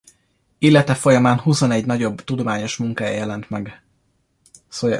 Élete folyamán huszonegy nagyobb tudományos munkája jelent meg.